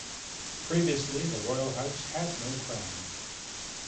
Previously, the Royal House had no crown.